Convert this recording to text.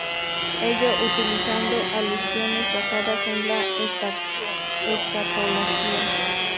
Ello, utilizando alusiones basadas en la Escatología.